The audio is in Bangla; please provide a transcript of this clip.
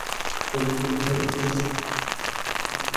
বজ্রপাত, ঝড় এবং থিয়েটার।